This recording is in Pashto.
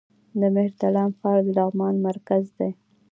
د مهترلام ښار د لغمان مرکز دی